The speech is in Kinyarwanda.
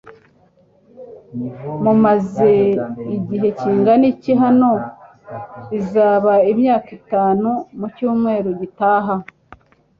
Mumaze igihe kingana iki hano?" "Bizaba imyaka itanu mu cyumweru gitaha."